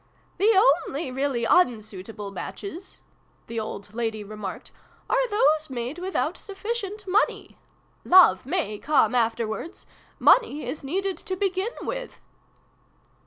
" "The only really unsuitable matches," the old lady remarked, " are those made without sufficient Money. Love may come afterwards. Money is needed to begin with